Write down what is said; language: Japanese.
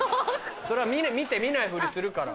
それは見て見ないふりするから。